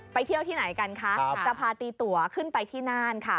เที่ยวที่ไหนกันคะจะพาตีตัวขึ้นไปที่น่านค่ะ